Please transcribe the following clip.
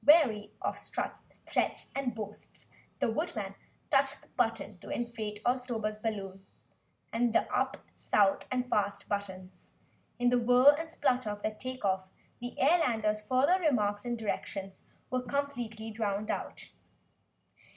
Weary of Strut's threats and boasts, the Woodman touched the button to inflate the Oztober's balloon, and the "up," "south" and "fast" buttons. In the whirr and splutter of their take off, the Airlander's further remarks and directions were completely drowned out.